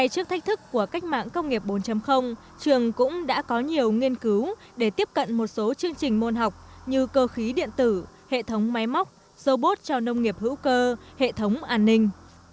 trường cao đẳng công nghiệp bốn trường cũng đã có nhiều nghiên cứu để tiếp cận một số chương trình môn học như cơ khí điện tử hệ thống máy móc robot cho nông nghiệp hữu cơ hệ thống an ninh